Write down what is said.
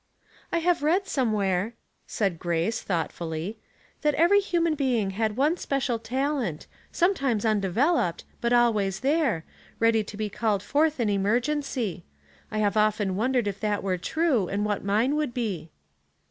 o " I have read somewhere," said Grace, thoughtfully, " that every human being had one special talent, sometimes undeveloped, but always there, ready to be called forth in emer gency. I have often wondered if that were true, and what mine could be."